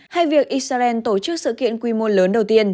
hay việc israel tổ chức sự kiện quy mô lớn đầu tiên